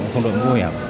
không đội mũ bảo hiểm